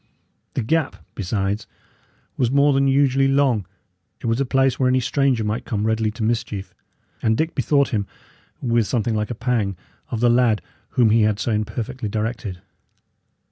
The gap, besides, was more than usually long; it was a place where any stranger might come readily to mischief; and Dick bethought him, with something like a pang, of the lad whom he had so imperfectly directed.